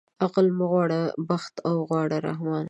عقل مه غواړه بخت اوغواړه رحمانه.